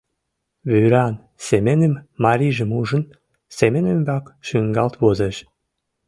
Вӱран Семеным, марийжым ужын, Семен ӱмбак шуҥгалт возеш.